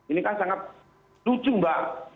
ini kan sangat lucu mbak